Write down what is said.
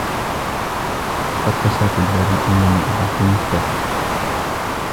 لقد كسرت الباب لأنني أضعت المفتاح.